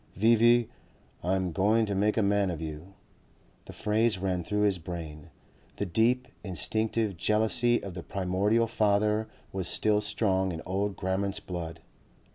"V.V., I'm going to make a man of you," the phrase ran through his brain. The deep instinctive jealousy of the primordial father was still strong in old Grammont's blood.